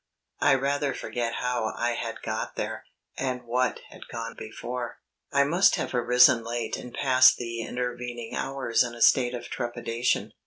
I rather forget how I had got there, and what had gone before. I must have arisen late and passed the intervening hours in a state of trepidation.